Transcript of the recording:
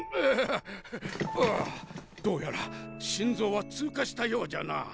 ああどうやら心臓は通過したようじゃな。